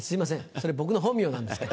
それ僕の本名なんですけど。